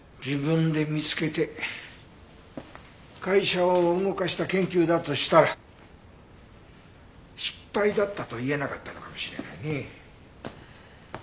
自分で見つけて会社を動かした研究だとしたら失敗だったと言えなかったのかもしれないね。